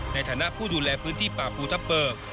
ในฐานะผู้ดูแลพื้นที่ป่าภูทับเบิก